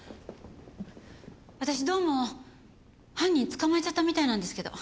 私どうも犯人捕まえちゃったみたいなんですけど。